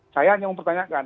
saya hanya mau pertanyakan